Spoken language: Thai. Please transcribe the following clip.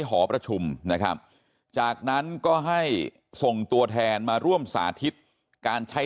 หอประชุมนะครับจากนั้นก็ให้ส่งตัวแทนมาร่วมสาธิตการใช้